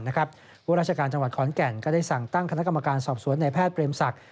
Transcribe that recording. ราชการจังหวัดขอนแก่นก็ได้สั่งตั้งคณะกรรมการสอบสวนในแพทย์เปรมศักดิ์